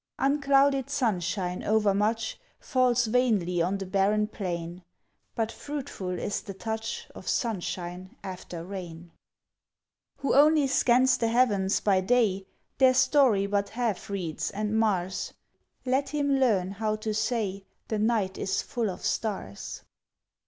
Unclouded sunshine overmuch Falls vainly on the barren plain; But fruitful is the touch Of sunshine after rain! Who only scans the heavens by day Their story but half reads, and mars; Let him learn how to say, "The night is full of stars!"